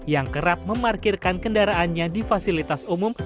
yang kerap memarkirkan kendaraannya di fasilitas umum